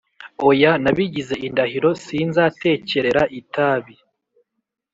Oya, nabigize indahiro:Sinzatekerera itabi